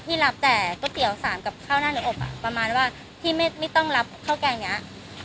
รับแต่ก๋วยเตี๋ยวสามกับข้าวหน้าหนูอบอ่ะประมาณว่าพี่ไม่ต้องรับข้าวแกงอย่างนี้